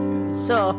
そう。